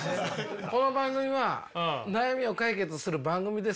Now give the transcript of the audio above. この番組は悩みを解決する番組ですから。